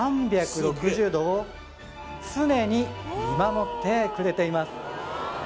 ３６０度を常に見守ってくれています